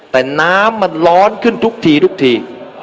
แต่น้ำมันร้อนขึ้นทุกทีทุกที